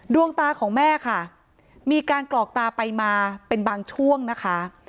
ดวงตาของแม่ค่ะมีการกรอกตาไปมาเป็นบางช่วงนะคะ